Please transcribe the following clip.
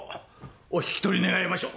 お引き取り願いましょう。